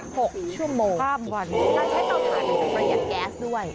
ก็ใช้เตาถ่ายไปจัดไปกับแก๊สด้วย